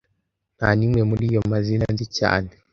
Nta n'imwe muri ayo mazina nzi cyane